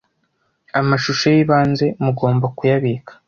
Amashusho Yibanze mugomba kuyabika